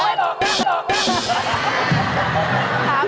อ๋อหลอง